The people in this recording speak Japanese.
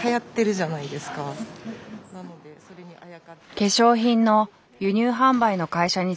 化粧品の輸入販売の会社に勤めている女性。